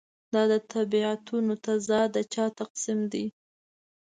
دا د طبیعتونو تضاد د چا تقسیم دی.